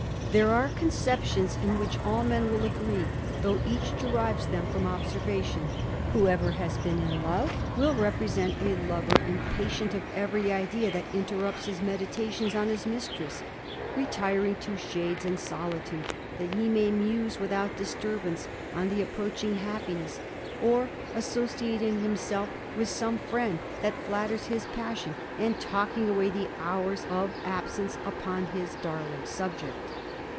Ther^ are conceptions in which all men will agree, though eact* derives them from observation : whoever has been in lov^ will represent a lover impatient of every idea that interrupt^ his meditations on his mistress, retiring to shades ancS solitude, that he may muse without disturbance on th^ approaching happiness, or associating himself .with som^ friend that flatters his passion, and talking away the hours o^ absence upon his darling subject.